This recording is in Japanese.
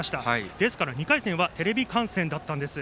ですから２回戦はテレビ観戦だったんです。